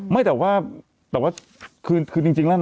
ไม่ได้สวยขนาดนั้นคือยังเนี่ย